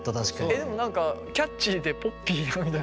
えっ何かキャッチーでポッピーなみたいな。